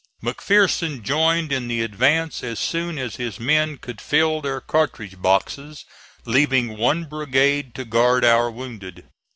McPherson joined in the advance as soon as his men could fill their cartridge boxes, leaving one brigade to guard our wounded.